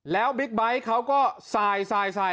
แล้วบิ๊กไบท์เขาก็สาย